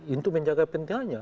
untuk menjaga pentingannya